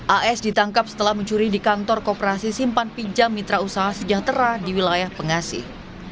as ditangkap setelah mencuri di kantor kooperasi simpan pinjam mitra usaha sejahtera di wilayah pengasih